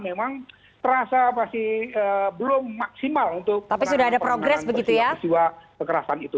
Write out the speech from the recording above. memang terasa masih belum maksimal untuk penerbangan keperciwa kekerasan itu